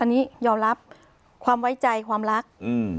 อันนี้ยอมรับความไว้ใจความรักอืม